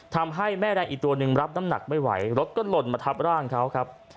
ทำให้แม่แรงอีกตัวหนึ่งรับน้ำหนักไม่ไหวรถก็หล่นมาทับร่างเขาครับ